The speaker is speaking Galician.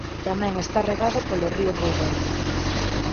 Tamén está regado polo río Búbal.